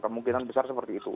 kemungkinan besar seperti itu